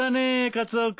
カツオ君。